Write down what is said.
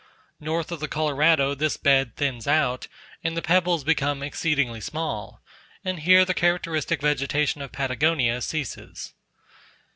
North of the Colorado this bed thins out, and the pebbles become exceedingly small, and here the characteristic vegetation of Patagonia ceases.